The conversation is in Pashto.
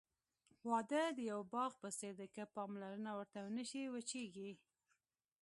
واده د یوه باغ په څېر دی، که پاملرنه ورته ونشي، وچېږي.